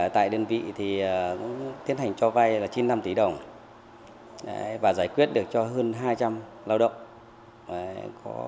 tại đơn vị tiến hành cho vay chín mươi năm tỷ đồng và giải quyết được cho hơn hai trăm linh lao động